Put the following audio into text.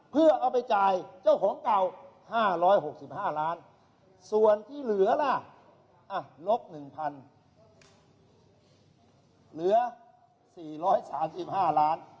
เกรื่องที่เหลือ๔๕๕ล้าน